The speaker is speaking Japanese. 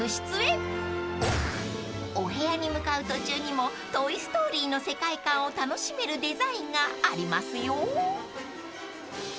［お部屋に向かう途中にも『トイ・ストーリー』の世界観を楽しめるデザインがありますよ］